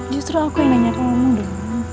justru aku yang nanya kamu dulu